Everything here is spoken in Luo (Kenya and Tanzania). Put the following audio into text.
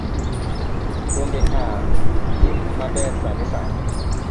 donge a in maber sani sani?